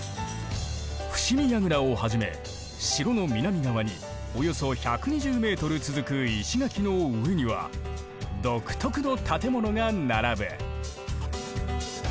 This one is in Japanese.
伏見櫓をはじめ城の南側におよそ１２０ｍ続く石垣の上には独特の建物が並ぶ。